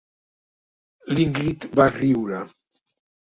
L'Ingrid va riure.